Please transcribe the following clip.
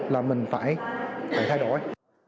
là mình phải thay đổi